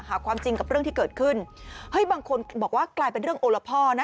หาความจริงกับเรื่องที่เกิดขึ้นเฮ้ยบางคนบอกว่ากลายเป็นเรื่องโอละพ่อนะ